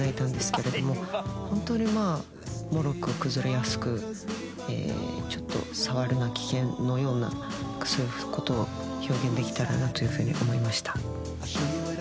ホントにもろく崩れやすく触るな危険のようなそういうことを表現できたらなと思いました。